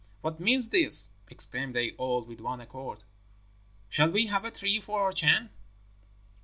'What means this?' exclaimed they all with one accord. 'Shall we have a tree for our Chan?'